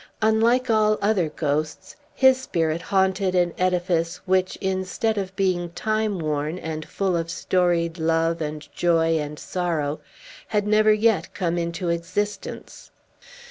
Unlike all other ghosts, his spirit haunted an edifice, which, instead of being time worn, and full of storied love, and joy, and sorrow, had never yet come into existence.